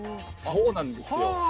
そうなんですよ。